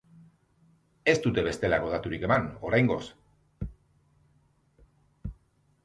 Ez dute bestelako daturik eman, oraingoz.